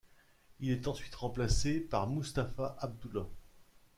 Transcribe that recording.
Il est ensuite remplacé par Mustafa Abdullah.